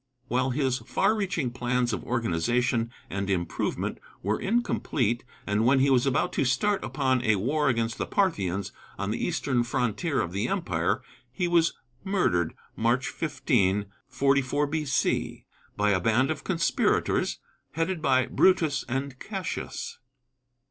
While his far reaching plans of organization and improvement were incomplete, and when he was about to start upon a war against the Parthians on the eastern frontier of the empire, he was murdered March 15th, 44 B.C., by a band of conspirators headed by Brutus and Cassius.